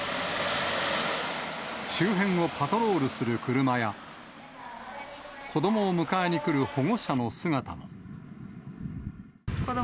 周辺をパトロールする車や、子どもを迎えに来る保護者の姿も。